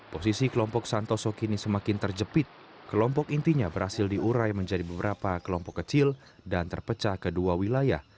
posisi kelompok santoso kini semakin terjepit kelompok intinya berhasil diurai menjadi beberapa kelompok kecil dan terpecah ke dua wilayah